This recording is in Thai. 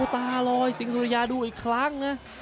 ตาลอยสิงสุริยาดูอีกครั้งนะ